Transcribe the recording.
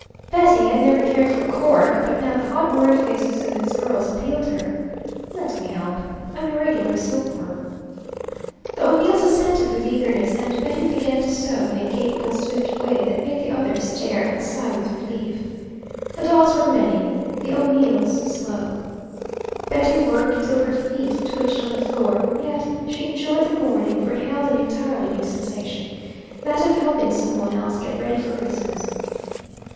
Betty had never cared for "Cork" but now the hot worried faces of its girls appealed to her. "Let me help. I'm a regular silkworm." The O'Neills assented with eagerness, and Betty began to sew in a capable, swift way that made the others stare and sigh with relief. The dolls were many, the O'Neills slow. Betty worked till her feet twitched on the floor; yet she enjoyed the morning, for it held an entirely new sensation, that of helping some one else get ready for Christmas.